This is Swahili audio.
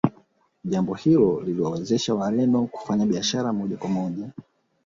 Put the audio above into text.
Jambo hilo liliwawezesha Wareno kufanya biashara moja kwa moja